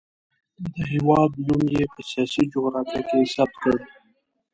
د هېواد نوم یې په سیاسي جغرافیه کې ثبت کړ.